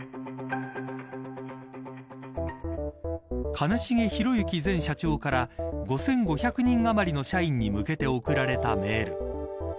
兼重宏行前社長から５５００人あまりの社員に向けて送られたメール。